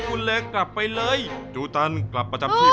จูตันกลับไปจากที่คนด้านนี้คอร์คจูตันจูตัน